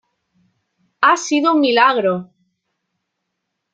¡ ha sido un milagro!...